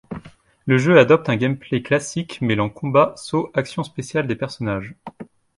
Le jeu adopte un gameplay classique, mêlant combats, sauts, actions spéciales des personnages.